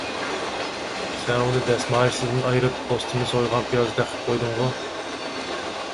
سەن ئۇنى دەسمايىسىدىن ئايرىپ، پوستىنى سويغان پىيازدەك قىلىپ قويدۇڭغۇ!